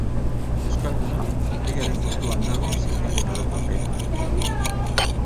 Euskalduna bigarren postuan dago sailkapen orokorrean.